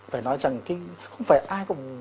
phải nói rằng thì không phải ai cũng